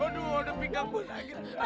aduh udah pinggang gue sakit